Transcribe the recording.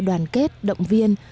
đoàn kết động viên